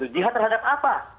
jihad terhadap apa